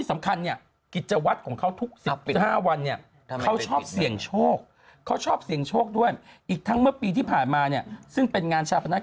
มันคงมานั่งที่ตากเราเลย